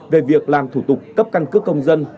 về việc làm thủ tục cấp căn cước công dân